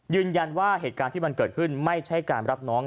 เหตุการณ์ที่มันเกิดขึ้นไม่ใช่การรับน้อง